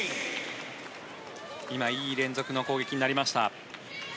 今、いい連続の攻撃になりました。